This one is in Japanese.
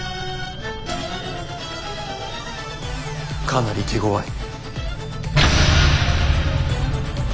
かなり手ごわい。